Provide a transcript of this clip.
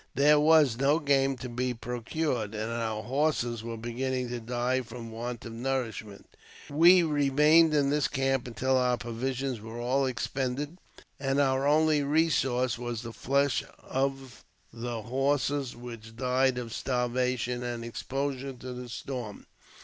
There was no game to be pro cured, and our horses were beginning to die for want of nourishment. We remained in this camp until our provisions were all expended, and our only resource was the flesh of the horses which died of starvation and exposure to the storm.